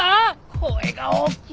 声が大きい！